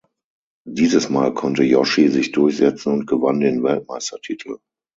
Dieses Mal konnte Joshi sich durchsetzen und gewann den Weltmeistertitel.